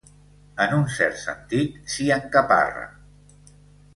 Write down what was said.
En un cert sentit, s'hi encaparra.